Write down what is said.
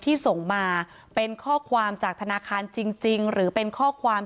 ที่ส่งมาเป็นข้อความจากธนาคารจริงหรือเป็นข้อความ